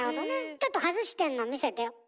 ちょっと外してんの見せて。